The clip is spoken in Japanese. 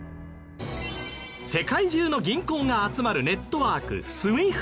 世界中の銀行が集まるネットワークＳＷＩＦＴ。